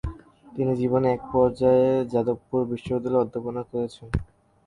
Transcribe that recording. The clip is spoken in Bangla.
তিনি জীবনের এক পর্যায়ে যাদবপুর বিশ্ববিদ্যালয়ে অধ্যাপনা করেছেন।